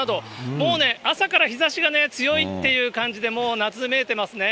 もうね、朝から日ざしが強いっていう感じで、もう夏めいてますね。